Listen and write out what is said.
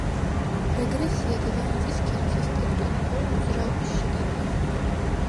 რეგრესია დედამიწის ქერქის ტექტონიკური მოძრაობის შედეგია.